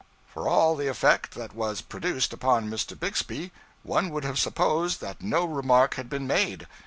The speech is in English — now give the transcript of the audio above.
For all the effect that was produced upon Mr. Bixby, one would have supposed that no remark had been made.